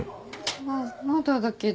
ああまだだけど。